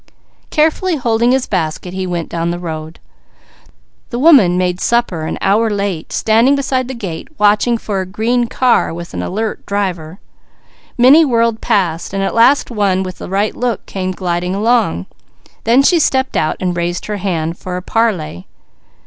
Carefully holding his basket he went down the road. The woman made supper an hour late standing beside the gate watching for a green car. Many whirled past, then at last one with the right look came gliding along; so she stepped out and raised her hand for a parley.